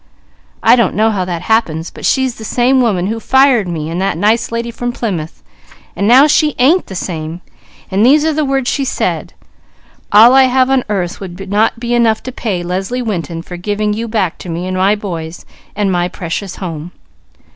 I don't know how that happens, but she's the same woman who fired me and the nice lady from Plymouth, and now she ain't the same, and these are the words she said: 'All I have on earth would not be enough to pay Leslie Winton for giving you back to me, and my boys, and my precious home.'